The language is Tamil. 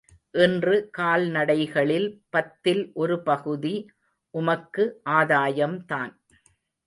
இன்று கால்நடைகளில் பத்தில் ஒரு பகுதி உமக்கு ஆதாயம்தான்.